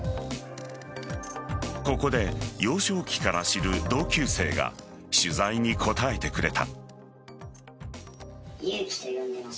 ここで、幼少期から知る同級生が取材に答えてくれた。